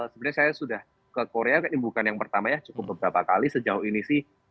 sebenarnya saya sudah ke korea ini bukan yang pertama ya cukup beberapa kali sejauh ini sih